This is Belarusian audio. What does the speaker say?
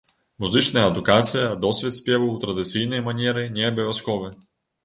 Музычная адукацыя, досвед спеву ў традыцыйнай манеры не абавязковыя.